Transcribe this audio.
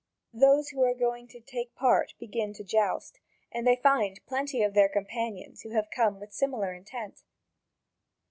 Those who are going to take part begin to joust, and they find plenty of their companions who had come with similar intent.